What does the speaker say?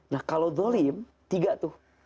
nah kalau zolim tiga tuh